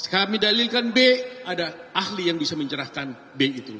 kami dalilkan b ada ahli yang bisa mencerahkan b itu